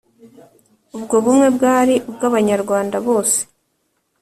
Ubwo bumwe bwari ubw'Abanyarwanda bose: